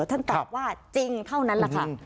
ท่านตอบว่าจริงเท่านั้นแหละค่ะ